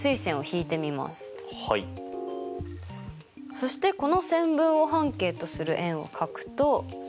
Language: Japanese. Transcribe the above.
そしてこの線分を半径とする円を書くと。